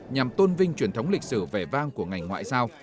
nhằm tôn vinh truyền thống lịch sử vẻ vang của ngành ngoại giao